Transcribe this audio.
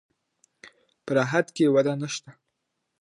په راحت کې وده نشته.